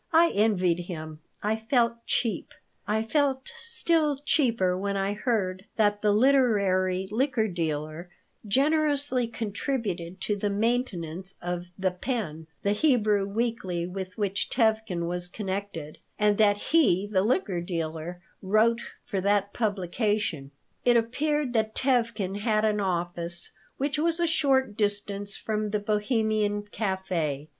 I envied him. I felt cheap I felt still cheaper when I heard that the literary liquor dealer generously contributed to the maintenance of The Pen, the Hebrew weekly with which Tevkin was connected, and that he, the liquor dealer, wrote for that publication It appeared that Tevkin had an office which was a short distance from the bohemian café.